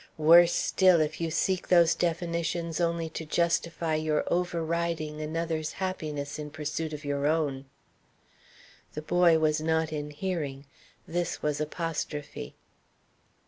Worse still if you seek those definitions only to justify your overriding another's happiness in pursuit of your own." The boy was not in hearing; this was apostrophe.